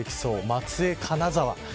松江、金沢。